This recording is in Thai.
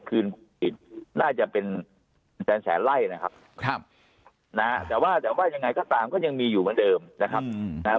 คืนน่าจะเป็นแสนไล่นะครับแต่ว่ายังไงก็ตามก็ยังมีอยู่เหมือนเดิมนะครับ